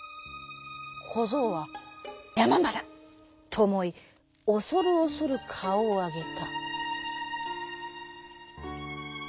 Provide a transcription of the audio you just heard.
こぞうは「やまんばだ」とおもいおそるおそるかおをあげた。